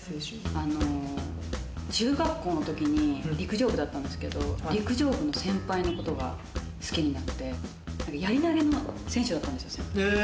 中学校のときに陸上部だったんですけど、陸上部の先輩のことが好きになって、やり投げの選手だったんですよ先輩。